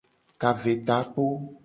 Kavetakpo.